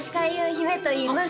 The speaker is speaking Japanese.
姫といいます